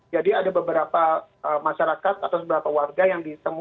jadi ada beberapa masyarakat atau beberapa warga yang ditemukan